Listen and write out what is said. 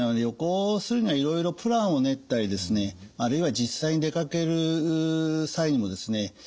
旅行するにはいろいろプランを練ったりですねあるいは実際に出かける際にもですね